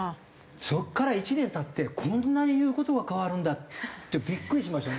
そこから１年経ってこんなに言う事が変わるんだってビックリしました。